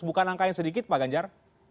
bukan angka yang sedikit pak ganjar